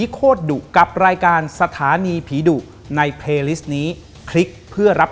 ขอบคุณนะครับ